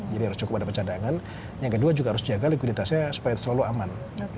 jadi harus cukup ada pecadangan yang kedua juga harus menjaga likuiditasnya supaya selalu aman